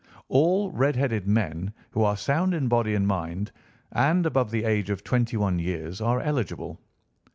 All red headed men who are sound in body and mind and above the age of twenty one years, are eligible.